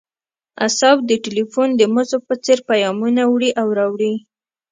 اعصاب د ټیلیفون د مزو په څیر پیامونه وړي او راوړي